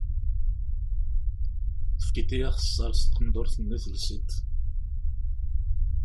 Tefkiḍ-iyi axessaṛ s tqendurt-nni telsiḍ.